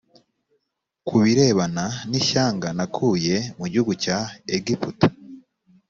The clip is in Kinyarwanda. ku birebana n ishyanga nakuye mu gihugu cya egiputa